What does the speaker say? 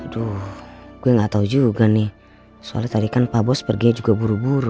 aduh gue gak tau juga nih soalnya tadi kan pak bos perginya juga buru buru